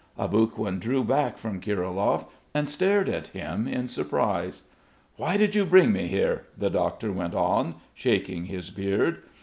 Aboguin drew back from Kirilov and stared at him in surprise. "Why did you bring me here?" the doctor went on, shaking his beard.